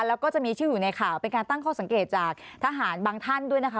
แล้วก็จะมีชื่ออยู่ในข่าวเป็นการตั้งข้อสังเกตจากทหารบางท่านด้วยนะคะ